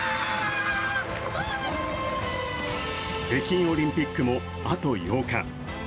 北京オリンピックも、あと８日。